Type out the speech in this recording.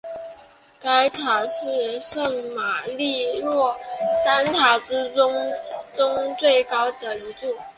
该塔是圣马利诺三塔之中最高的一座。